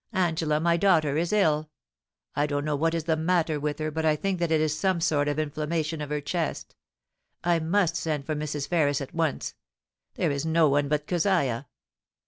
Angela, my daughter, is ill I don't know what is the matter with her, but I think that it is some sort of inflammation of her chest I must send for Mrs. Ferris at once. There is no one but Keziah.